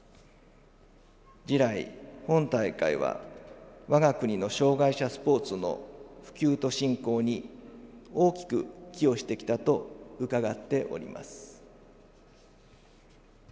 以来、本大会は我が国の障害者スポーツの普及と振興に大きく寄与してきたと伺っております。